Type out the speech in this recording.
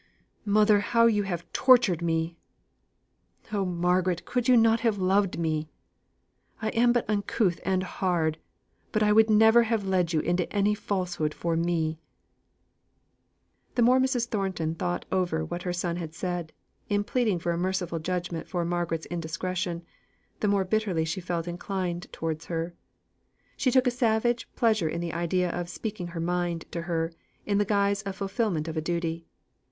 Mother, how you have tortured me! Oh! Margaret, could you not have loved me? I am but uncouth and hard, but I would never have led you into any falsehood for me." The more Mrs. Thornton thought over what her son had said, in pleading for a merciful judgment for Margaret's indiscretion, the more bitterly she felt inclined towards her. She took a savage pleasure in the idea of "speaking her mind" to her, in the guise of fulfilment of a duty.